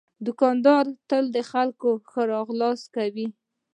دوکاندار تل خلک ښه راغلاست کوي.